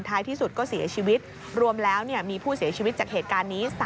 ที่สุดก็เสียชีวิตรวมแล้วมีผู้เสียชีวิตจากเหตุการณ์นี้